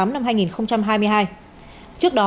năm hai nghìn hai mươi hai trước đó